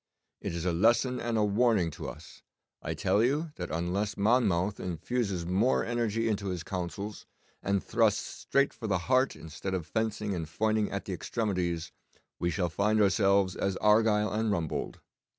It is a lesson and a warning to us. I tell you that unless Monmouth infuses more energy into his councils, and thrusts straight for the heart instead of fencing and foining at the extremities, we shall find ourselves as Argyle and Rumbold.